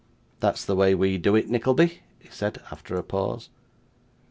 'That's the way we do it, Nickleby,' he said, after a pause.